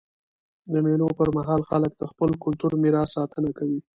د مېلو پر مهال خلک د خپل کلتوري میراث ساتنه کوي.